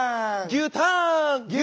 牛ターン！